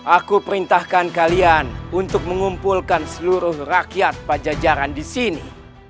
aku perintahkan kalian untuk mengumpulkan seluruh rakyat pajajaran di sini